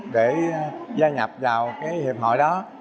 để gia nhập vào cái hiệp hội đó